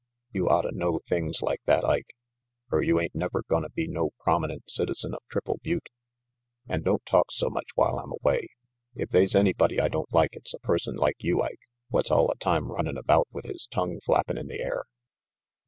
You otta know things like that, Ike, er you ain't never gonna be no promi nent citizen of Triple Butte. An' don't talk so much while I'm away. If they's anybody I don't like, it's a person like you, Ike, what's alia time runnin' about with his tongue flappin' in the air."